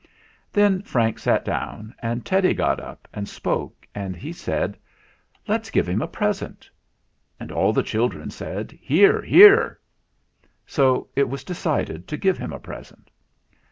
Then Frank sat down, and Teddy got up and spoke, and he said : "Let's give him a present." And all the children said : "Hear, hear !" So it was decided to give him a present.